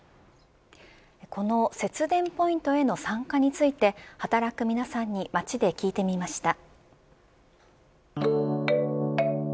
この節電ポイントへの参加について働く皆さんに街で聞いてみました。